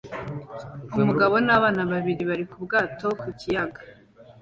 Umugabo n'abana babiri bari mu bwato ku kiyaga